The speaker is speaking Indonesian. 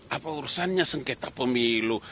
apa urusannya sengketa pemilu